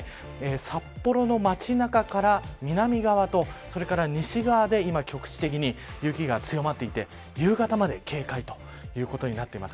札幌の街中から南側とそれから西側で今、局地的に雪が強まっていて夕方まで警戒ということになっています。